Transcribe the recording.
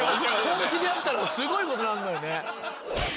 本気でやったらすごいことなんのよね。